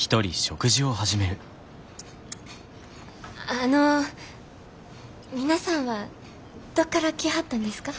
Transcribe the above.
あの皆さんはどっから来はったんですか？